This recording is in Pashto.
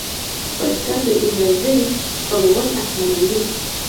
بایسکل د انرژۍ سپمول اسانوي.